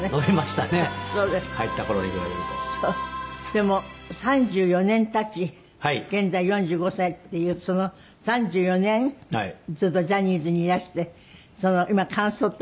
でも３４年経ち現在４５歳っていうその３４年ずっとジャニーズにいらして今感想ってあります？